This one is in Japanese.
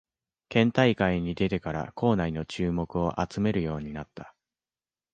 県大会に出てから校内の注目を集めるようになった